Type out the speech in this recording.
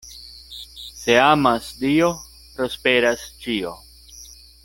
Se amas Dio, prosperas ĉio.